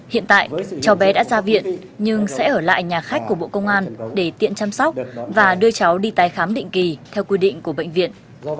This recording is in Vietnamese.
hiện tại cháu bé đã ra viện nhưng sẽ ở lại nhà khách của bộ công an để tiện chăm sóc và đưa cháu đi tái khám định kỳ theo quy định của bệnh viện